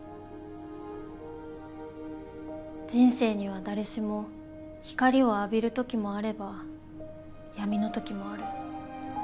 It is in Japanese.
人生には誰しも光を浴びる時もあれば闇の時もある。